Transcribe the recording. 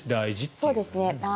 そうですね。